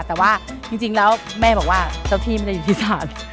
แต่ว่าจริงแล้วแม่บอกว่าเจ้าที่ไม่ได้อยู่ที่ศาล